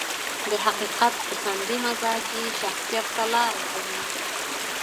د حقيقت پسندي مزاج يې شخصيت ته لاره کوي.